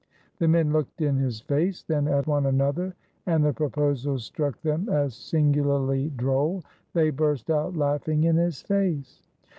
The men looked in his face, then at one another, and the proposal struck them as singularly droll. They burst out laughing in his face.